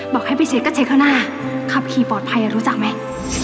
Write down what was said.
บอกให้ไปเช็คก็เช็คข้างหน้าขับขี่ปลอดภัยรู้จักไหม